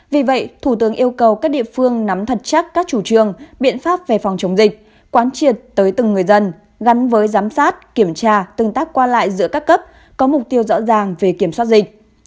vì vậy thủ tướng yêu cầu các địa phương nắm thật chắc các chủ trương biện pháp về phòng chống dịch quán triệt tới từng người dân gắn với giám sát kiểm tra tương tác qua lại giữa các cấp có mục tiêu rõ ràng về kiểm soát dịch